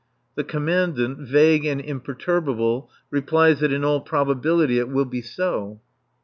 The Commandant, vague and imperturbable, replies that in all probability it will be so.